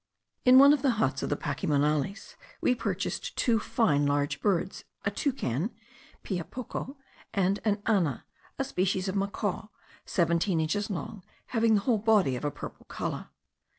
In one of the huts of the Pacimonales we purchased two fine large birds, a toucan (piapoco) and an ana, a species of macaw, seventeen inches long, having the whole body of a purple colour.